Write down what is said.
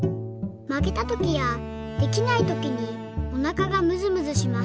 「まけたときやできないときにおなかがむずむずします。